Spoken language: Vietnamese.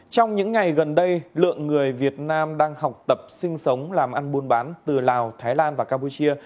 trong những ngày gần đây lượng người việt nam đang học tập sinh sống làm ăn buôn bán từ lào thái lan và campuchia